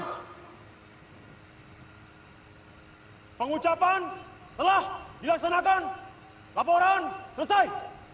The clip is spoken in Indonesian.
pengucapan telah dilaksanakan laporan selesai